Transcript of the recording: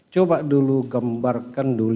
coba dulu gambarkan dulu